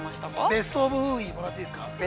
◆ベストウーイー、もらっていいですか。